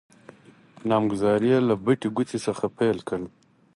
نامګذارې يې له بټې ګوتې څخه پیل کړل.